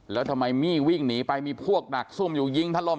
แล้วทำไมมี่วิ่งหนีไปมีพวกดักซุ่มอยู่ยิงถล่ม